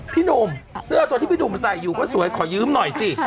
พี่หนุ่มเสื้อตัวที่พี่หนุ่มใส่อยู่ก็สวยขอยืมหน่อยสิ